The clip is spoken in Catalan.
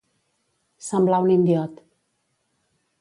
Semblar un indiot.